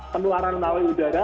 penularan melalui udara